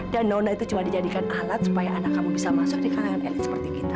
dan nona itu cuma dijadikan alat supaya anak kamu bisa masuk di kalangan elit seperti kita